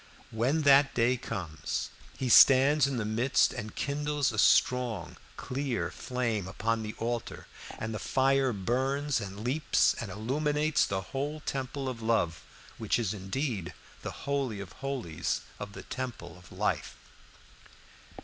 When that day comes he stands in the midst and kindles a strong clear flame upon the altar, and the fire burns and leaps and illuminates the whole temple of love, which is indeed the holy of holies of the temple of life.